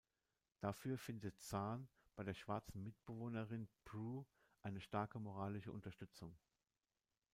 Dafür findet Zan bei der schwarzen Mitbewohnerin Prue eine starke moralische Unterstützung.